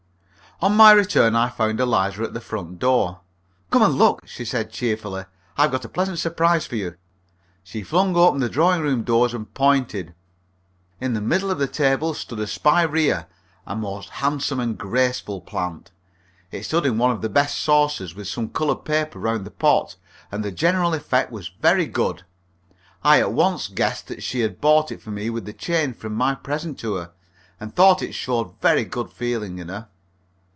On my return I found Eliza at the front door. "Come and look," she said, cheerfully. "I have got a pleasant surprise for you." She flung open the drawing room door, and pointed. In the middle of the table stood a spiraea, a most handsome and graceful plant. It stood in one of the best saucers, with some coloured paper round the pot, and the general effect was very good. I at once guessed that she had bought it for me with the change from my present to her, and thought it showed very good feeling in her.